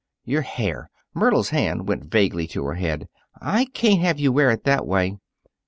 "Your hair!" Myrtle's hand went vaguely to her head. "I can't have you wear it that way."